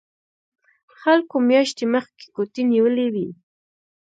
خلکو میاشتې مخکې کوټې نیولې وي